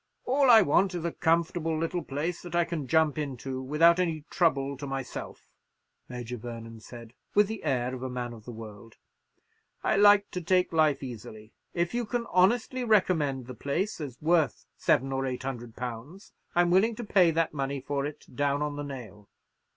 "All I want is a comfortable little place that I can jump into without any trouble to myself," Major Vernon said, with the air of a man of the world. "I like to take life easily. If you can honestly recommend the place as worth seven or eight hundred pounds, I'm willing to pay that money for it down on the nail.